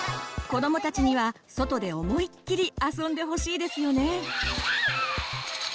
子どもたちには外で思いっきり遊んでほしいですよね。